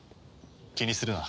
気にするな。